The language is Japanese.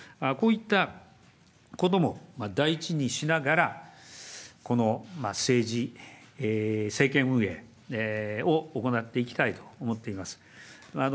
こういったことも大事にしながら、この政治、政権運営を行っていきたいと思っています。